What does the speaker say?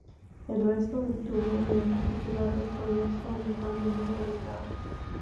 El resto del tubo y en particular el cuello son en cambio muy delicados.